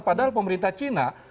padahal pemerintah china